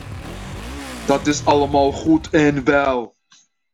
Dat is allemaal goed en wel.